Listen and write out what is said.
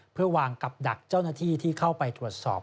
เพื่อวางกับดักเจ้าหน้าที่ที่เข้าไปตรวจสอบ